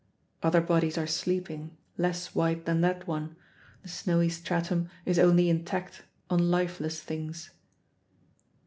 Other bodies are sleeping, less white than that one; the snowy stratum is only intact on lifeless things.